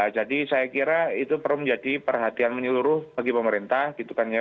jadi saya kira itu perlu menjadi perhatian menyeluruh bagi pemerintah gitu kan ya